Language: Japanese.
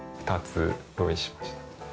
２つ用意しました。